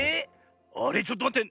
あれちょっとまって。